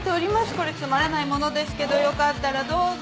これつまらないものですけどよかったらどうぞ。